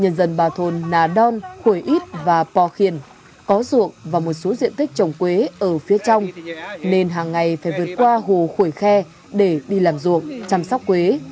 nhân dân bà thôn nà đôn khuẩy ít và pò khiền có ruộng và một số diện tích trồng quế ở phía trong nên hàng ngày phải vượt qua hồ khuẩy khe để đi làm ruộng chăm sóc quế